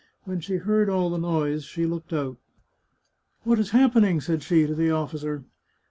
When she heard all the noise she looked out. " What is happening?" said she to the officer.